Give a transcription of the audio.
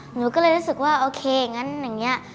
หรือก็เลยรู้สึกว่าอโอเคงั้นแบบนี้